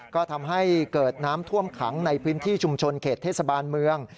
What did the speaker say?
ก็ทำให้เกิดน้ำท่วมขังในพื้นที่ชุมชนเขตเทศบาลเมือง